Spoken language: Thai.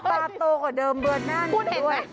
ปลาโตกว่าเดิมเบือนหน้าหนึ่งด้วย